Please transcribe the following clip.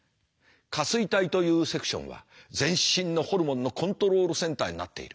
下垂体というセクションは全身のホルモンのコントロールセンターになっている。